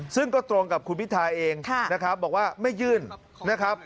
ซึ่งก็ตรงกับคุณพิทาเองนะครับบอกว่าไม่ยื่นนะครับ